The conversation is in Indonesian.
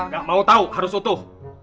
gak mau tahu harus utuh